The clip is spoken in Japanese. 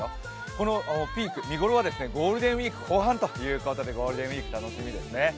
このピーク、見頃はゴールデンウイーク後半ということでゴールデンウイーク楽しみですね。